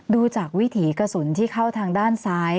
ดูจากวิถีกระสุนที่เข้าทางด้านซ้าย